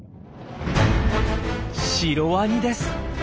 シロワニです。